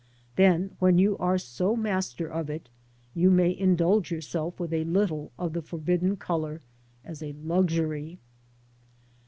Then, when you are so master of it, you may indulge yourself with a little of the forbidden colour as a luxury.